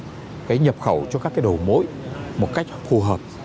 phân giao cái nhập khẩu cho các cái đầu mỗi một cách phù hợp